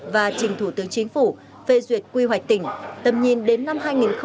và trình thủ tướng chính phủ phê duyệt quy hoạch tỉnh tầm nhìn đến năm hai nghìn năm mươi